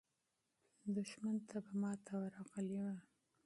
دښمن ته به ماته ورغلې وه.